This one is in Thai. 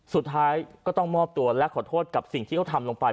สุดท้ายก็ต้องมอบตัวและขอโทษกับสิ่งที่เขาทำลงไป